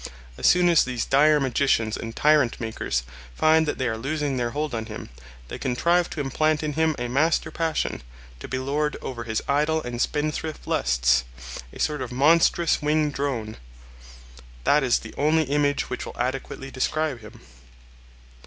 As soon as these dire magicians and tyrant makers find that they are losing their hold on him, they contrive to implant in him a master passion, to be lord over his idle and spendthrift lusts—a sort of monstrous winged drone—that is the only image which will adequately describe him.